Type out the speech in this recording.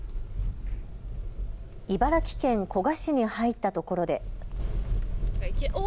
茨城県古河市に入ったところで。